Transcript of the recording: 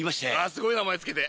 すごい名前付けて。